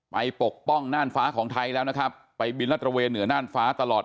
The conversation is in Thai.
ปกป้องน่านฟ้าของไทยแล้วนะครับไปบินรัดระเวนเหนือน่านฟ้าตลอด